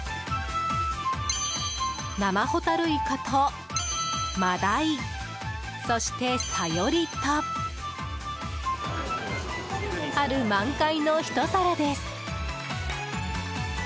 生ホタルイカとマダイそして、サヨリと春満開のひと皿です。